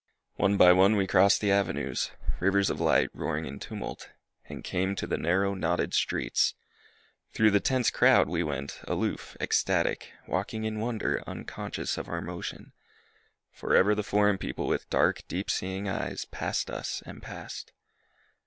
One by one we crossed the avenues, Rivers of light, roaring in tumult, And came to the narrow, knotted streets. Thru the tense crowd We went aloof, ecstatic, walking in wonder, Unconscious of our motion. Forever the foreign people with dark, deep seeing eyes Passed us and passed.